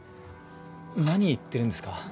何言ってるんですか。